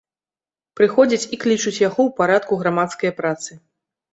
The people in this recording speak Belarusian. Прыходзяць і клічуць яго ў парадку грамадскае працы.